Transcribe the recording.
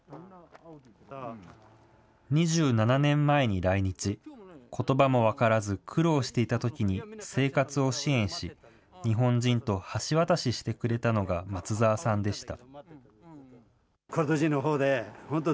２７年前に来日、ことばも分からず、苦労していたときに生活を支援し、日本人と橋渡ししてくれたのが松澤さんでした。